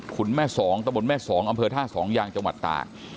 คุณแม่สองตะบนแม่สองอำเภอท่าสองยางจังหวัดตาก